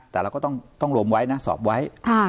แต่เราก็ต้องรวมไว้นะสอบไว้